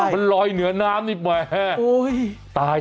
มันลอยเหนือน้ำนี่แบบ